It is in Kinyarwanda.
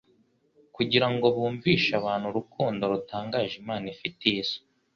kugira ngo bumvishe abantu urukundo rutangaje Imana ifitiye isi.